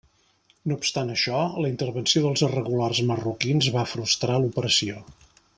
No obstant això, la intervenció dels regulars marroquins va frustrar l'operació.